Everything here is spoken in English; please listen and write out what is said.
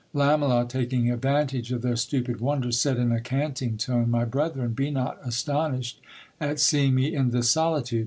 Lamela, taking advantage of their stupid wonder, said in a canting tone : My brethren, be not astonished at seeing me in this solitude.